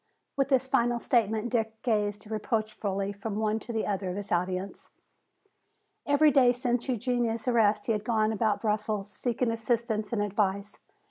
With this final statement Dick gazed reproachfully from one to the other of his audience. Every day since Eugenia's arrest he had gone about Brussels seeking assistance and advice.